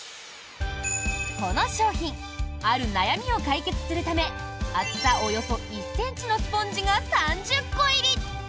この商品ある悩みを解決するため厚さおよそ１ｃｍのスポンジが３０個入り。